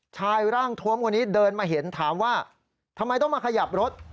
ชายร่างทวมคนนี้เดินมาเห็นถามว่าทำไมต้องมาขยับรถ